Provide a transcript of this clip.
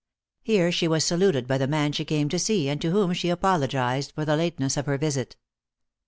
Here she was saluted by the man she came to see, and to whom she apologized for the lateness of her visit.